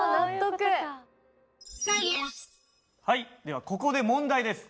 ではここで問題です。